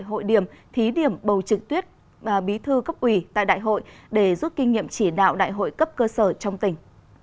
hội điểm thí điểm bầu trực tuyết bí thư cấp ủy tại đại hội để rút kinh nghiệm chỉ đạo đại hội cấp cơ sở trong tỉnh